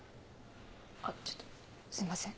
ちょっとすいません。